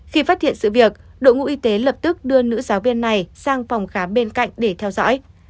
khi phát hiện sự việc đội ngũ y tế lập tức đưa nữ giáo viên này sang phòng khám bên cạnh để theo dõi